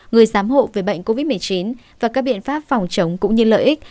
người giám hộ về bệnh covid một mươi chín và các biện pháp phòng chống cũng như lợi ích